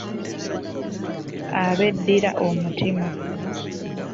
Abeddira omutima.